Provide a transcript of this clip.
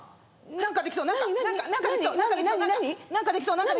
何かできそう。